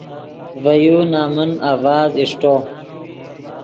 ڤے یو نمن آڤاز اݰٹو